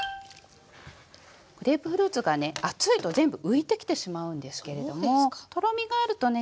グレープフルーツがね熱いと全部浮いてきてしまうんですけれどもとろみがあるとね